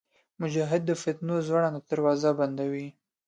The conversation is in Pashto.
مجاهد د فتنو زوړند دروازې بندوي.